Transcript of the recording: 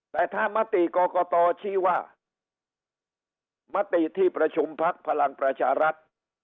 แต่ถ้ามติกรกตชี้ว่ามติที่ประชุมพักพลังประชารัฐ